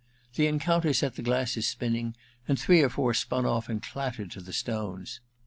The encounter set the glasses spinning, and three or four spun off and clattered to the stones.